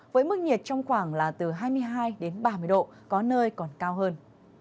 với mức nhiệt trong khoảng là từ hai mươi hai đến ba mươi độ có nơi còn cao hơn